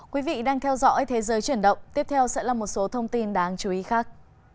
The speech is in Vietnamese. quý vị đang theo dõi thế giới chuyển động tiếp theo sẽ là một số thông tin đáng chú ý khác